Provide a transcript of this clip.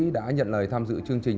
đã nhận lời tham dự chương trình